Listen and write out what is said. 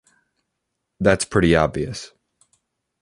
That's pretty obvious.